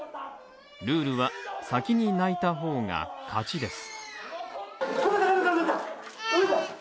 ルールは先に泣いた方が勝ちです。